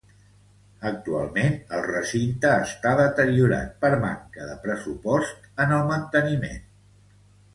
Actualment el recinte està deteriorat per manca de pressupost en el manteniment.